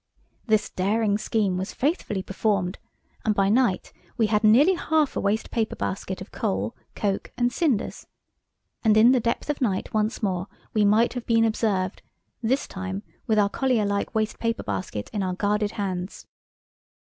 This daring scheme was faithfully performed, and by night we had nearly half a waste paper basket of coal, coke, and cinders. And in the depth of night once more we might have been observed, this time with our collier like waste paper basket in our guarded hands.